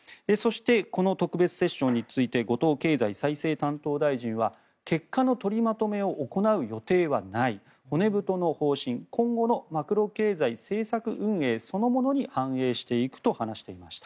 この特別セッションについて後藤経済再生担当大臣は結果の取りまとめを行う予定はない骨太の方針、今後のマクロ経済政策運営そのものに反映していくと話していました。